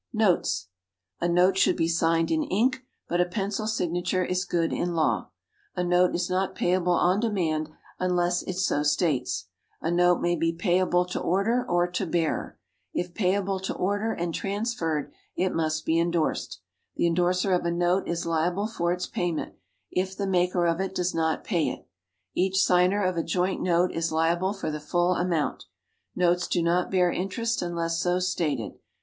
=Notes.= A note should be signed in ink, but a pencil signature is good in law. A note is not payable on demand unless it so states. A note may be payable to order or to bearer. If payable to order, and transferred, it must be endorsed. The endorser of a note is liable for its payment, if the maker of it does not pay it. Each signer of a joint note is liable for the full amount. Notes do not bear interest unless so stated.